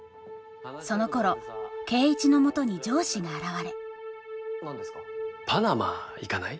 そのころ圭一のもとに上司が現れパナマ行かない？